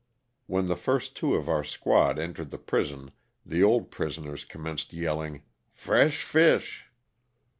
When the first two of our squad entered the prison the old prisoners commenced yelling, "fresh fish."